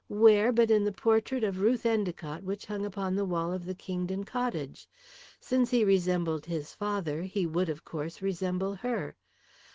Where but in the portrait of Ruth Endicott which hung upon the wall of the Kingdon cottage! Since he resembled his father, he would, of course, resemble her.